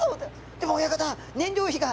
「でも親方燃料費が！」